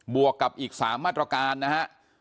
วกกับอีก๓มาตรการนะฮะ